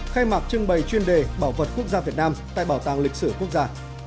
khai mạc trưng bày chuyên đề bảo vật quốc gia việt nam tại bảo tàng lịch sử quốc gia